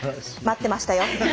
待ってましたよ。